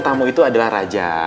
tamu itu adalah raja